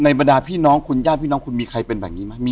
บรรดาพี่น้องคุณญาติพี่น้องคุณมีใครเป็นแบบนี้ไหม